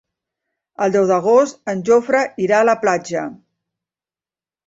El deu d'agost en Jofre irà a la platja.